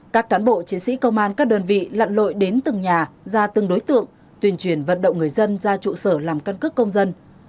các cán bộ chiến sĩ công an các đơn vị lặn lội đến từng nhà ra từng đối tượng tuyên truyền vận động người dân ra trụ sở làm căn cước công dân